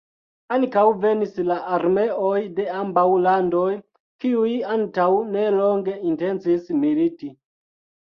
Ankaŭ venis la armeoj de ambaŭ landoj, kiuj antaŭ nelonge intencis militi.